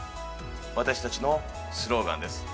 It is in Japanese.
私たちのスローガンです。